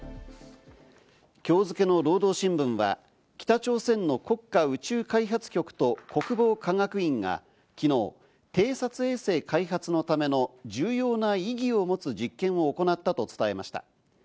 今日付の労働新聞は北朝鮮の国家宇宙開発局と国防科学院が昨日、偵察衛星開発のための重要な意義を持つ実験を行ったと伝えました。